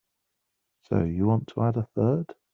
So you want to add a third?